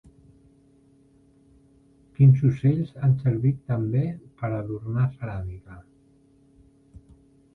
Quins ocells han servit també per adornar ceràmica?